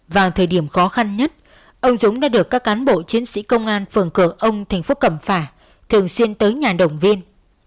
vào thời điểm khó khăn nhất ông dũng đã được các cán bộ chiến sĩ công an phường cửa ông thành phố cẩm phả thường xuyên tới nhà động viên